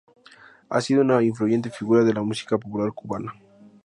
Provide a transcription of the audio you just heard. Ha sido una influyente figura de la música popular cubana.